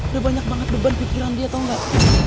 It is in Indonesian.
udah banyak banget beban pikiran dia tau gak